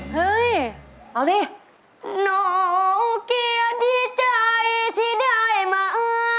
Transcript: หนูเกลียดีใจที่ได้มา